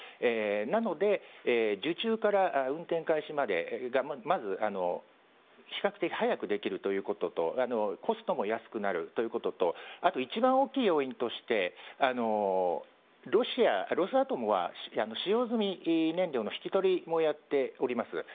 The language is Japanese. なので、受注から運転開始までがまず比較的早くできるということとコストも安くなるということとあと一番大きい要因としてロスアトムは使用済み燃料の引き取りもやっております。